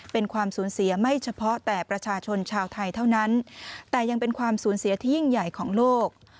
เป็นความสูญเสียไม่เฉพาะแต่ประชาชนชาวไทยเท่านั้นแต่ยังเป็นความสูญเสียที่ยิ่งใหญ่ของโลก